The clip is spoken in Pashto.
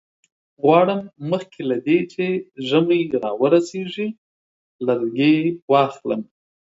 غواړم مخکې له دې چې ژمی را ورسیږي لرګي واخلم.